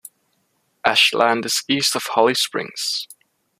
Ashland is east of Holly Springs.